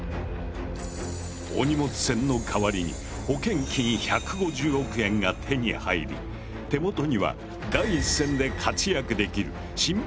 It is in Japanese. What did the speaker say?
お荷物船の代わりに保険金１５０億円が手に入り手元には第一線で活躍できる新品の豪華客船が残るのだ。